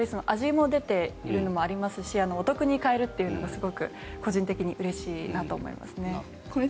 味も出ているのもありますしお得に買えるというのがすごく個人的にうれしいなと思いますね。